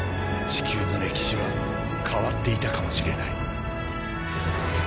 地球の歴史は変わっていたかもしれない。